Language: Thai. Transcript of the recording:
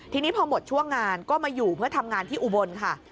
ทีนี้พอหมดช่วงงานก็มาอยู่เมื่อทำงานที่อุบลค่ะ